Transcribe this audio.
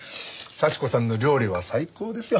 幸子さんの料理は最高ですよ。